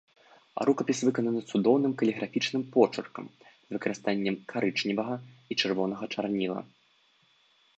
Рукапіс выкананы цудоўным каліграфічным почыркам з выкарыстаннем карычневага і чырвонага чарніла.